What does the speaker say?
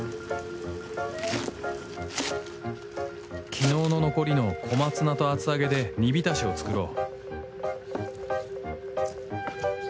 昨日の残りの小松菜と厚揚げで煮浸しを作ろう